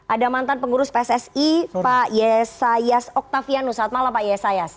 ada mantan pengurus pssi pak yesayas oktavianus selamat malam pak yesayas